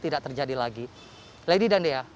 tidak terjadi lagi lady dandia